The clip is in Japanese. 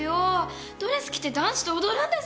ドレス着て男子と踊るんですよ？